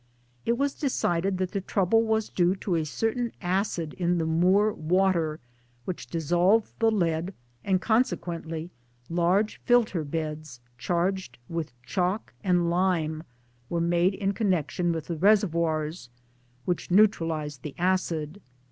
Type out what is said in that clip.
It was decided that the trouble was due to a certain acid in the moor water, which dissolved the lead, and consequently large filter beds charged with chalk and lime were made in connection with 1 the reservoirs, which neutralized the acid.